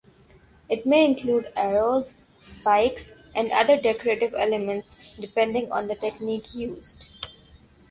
It may include arrows, spikes, and other decorative elements depending on the technique used.